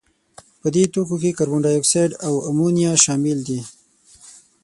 په دې توکو کې کاربن دای اکساید او امونیا شامل دي.